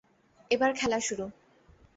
এবার খেলা শুরু।